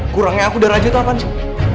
kurangnya aku dan raja tuh apaan sih